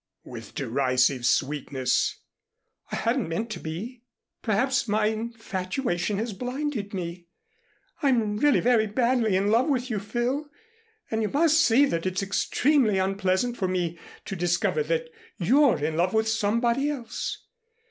with derisive sweetness. "I hadn't meant to be. Perhaps my infatuation has blinded me. I'm really very badly in love with you, Phil. And you must see that it's extremely unpleasant for me to discover that you're in love with somebody else.